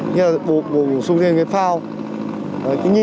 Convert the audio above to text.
như là bổ sung lên cái phao